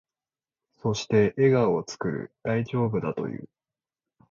そして、笑顔を作る。大丈夫だと言う。